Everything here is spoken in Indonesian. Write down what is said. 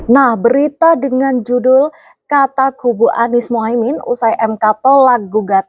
nah berita dengan judul kata kubu anies mohaimin usai mk tolak gugatan